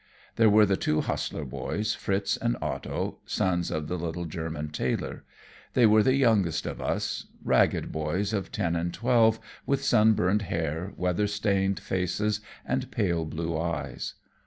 There were the two Hassler boys, Fritz and Otto, sons of the little German tailor. They were the youngest of us; ragged boys of ten and twelve, with sunburned hair, weather stained faces, and pale blue eyes.